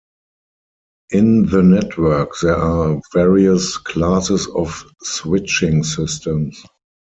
In the network there are various classes of switching systems.